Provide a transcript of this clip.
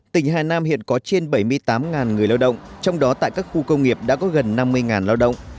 tỉnh hà nam hiện có trên bảy mươi tám người lao động trong đó tại các khu công nghiệp đã có gần năm mươi lao động